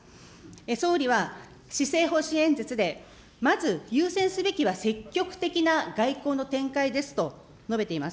総理は施政方針演説で、まず、優先すべきは積極的な外交の展開ですと述べています。